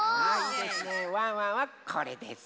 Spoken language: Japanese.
ワンワンはこれです。